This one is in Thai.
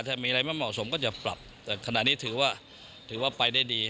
ถ้ามีอะไรไม่เหมาะสมก็จะปรับแต่ขณะนี้ถือว่าถือว่าไปได้ดี